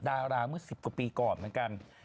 ดาราเมื่อ๑๐กว่าปีก่อนเหมือนกัน